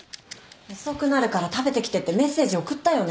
遅くなるから食べてきてってメッセージ送ったよね？